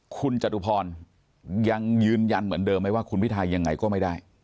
คุณจตุพรยังยืนยันเหมือนเดิมไหมว่าคุณพิทายังไงก็ไม่ได้